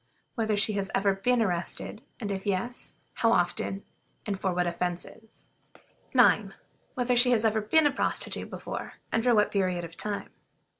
Whether she has ever been arrested, and if yes, how often, and for what offenses? 9. Whether she has ever been a prostitute before, and for what period of time?